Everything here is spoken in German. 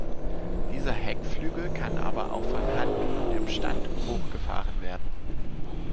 Dieser Heckflügel kann aber auch von Hand und im Stand hochgefahren werden.